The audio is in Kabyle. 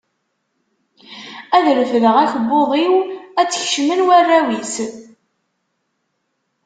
Ad refdeɣ akebbuḍ-iw, ad tt-kecmen warraw-is.